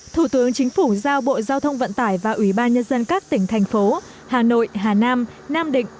thủ tướng chính phủ giao bộ giao thông vận tải và ủy ban nhân dân các tỉnh thành phố hà nội hà nam nam định